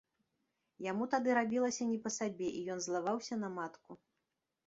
Яму тады рабілася не па сабе, і ён злаваўся на матку.